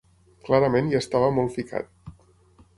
Clarament hi estava molt ficat.